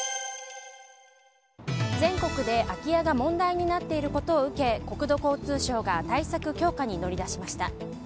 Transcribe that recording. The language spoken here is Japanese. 全国で空き家が問題になっていることを受け国土交通省が対策強化に乗り出しました。